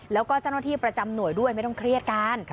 แล้วก็เจ้าหน้าที่ประจำหน่วยด้วยไม่ต้องเครียดกัน